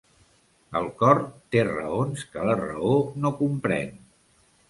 El cor té raons que la raó no comprèn.